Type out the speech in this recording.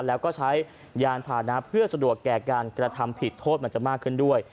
แล้วก็ใช้ยานผ่านนะเพื่อสะดวกแก่การกระทำผิดโทษมันจะมากขึ้นด้วย